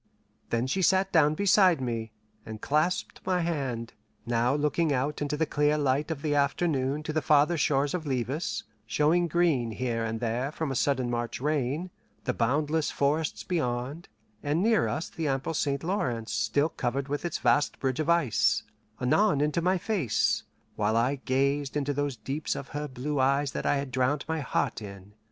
Then she sat down beside me, and clasped my hand, now looking out into the clear light of afternoon to the farther shores of Levis, showing green here and there from a sudden March rain, the boundless forests beyond, and near us the ample St. Lawrence still covered with its vast bridge of ice; anon into my face, while I gazed into those deeps of her blue eyes that I had drowned my heart in.